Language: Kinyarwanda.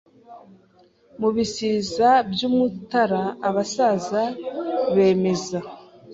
Mu bisiza by'Umutara Abasaza bemeza